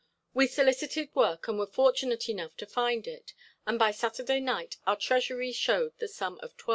We solicited work and were fortunate enough to find it, and by Saturday night our treasury showed the sum of $12.